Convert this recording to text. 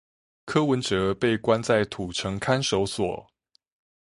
柯文哲被關在土城看守所